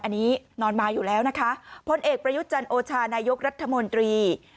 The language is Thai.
อันนี้นอนมาอยู่แล้วนะคะพลเอกประยุทธ์จันโอชานายกรัฐมนตรี